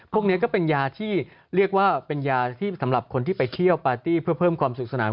พวกนี้ก็เป็นยาที่เรียกว่าเป็นยาที่สำหรับคนที่ไปเที่ยวปาร์ตี้เพื่อเพิ่มความสุขสนาน